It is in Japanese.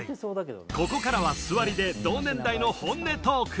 ここからは座りで同年代の本音トーク。